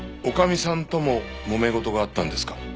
女将さんとももめ事があったんですか？